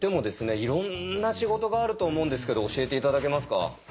いろんな仕事があると思うんですけど教えて頂けますか？